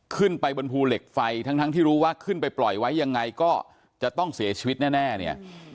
ขึ้นไปบนภูเหล็กไฟทั้งที่รู้ว่าขึ้นไปปล่อยไว้ยังไงก็จะต้องเสียชีวิตแน่เนี่ย